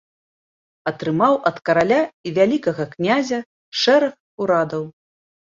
Атрымаў ад караля і вялікага князя шэраг урадаў.